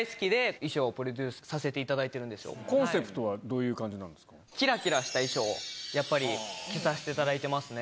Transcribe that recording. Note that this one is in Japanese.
コンセプトはどういう感じなんですか？をやっぱり着させていただいてますね。